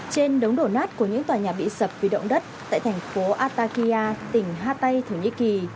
trên đống đổ nát của những tòa nhà bị sập vì động đất tại thành phố atakia tỉnh hatay thổ nhĩ kỳ